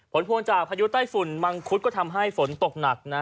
พวงจากพายุใต้ฝุ่นมังคุดก็ทำให้ฝนตกหนักนะ